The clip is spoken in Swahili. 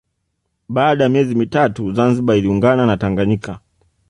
Baada ya miezi mitatu Zanzibar iliungana na Tanganyika